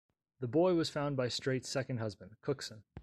The boy was found by Straight's second husband, Cookson.